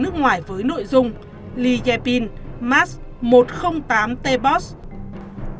nước ngoài với nội dung liepin mask một trăm linh tám t bosch